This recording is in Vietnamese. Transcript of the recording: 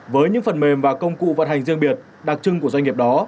với những phần mềm và công cụ vận hành riêng biệt đặc trưng của doanh nghiệp đó